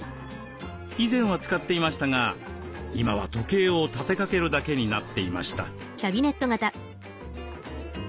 以前は使っていましたが今は時計を立てかけるだけになっていました。